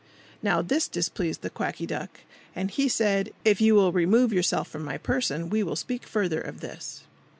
Now, this displeased the Quacky Duck, and he said, "If you will remove yourself from my person, we will speak further of this."